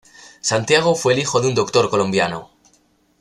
Santiago fue el hijo de un doctor colombiano.